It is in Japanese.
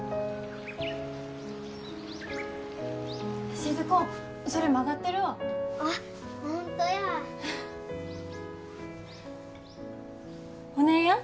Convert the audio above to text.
静子それ曲がってるわ・ホントやお姉やん？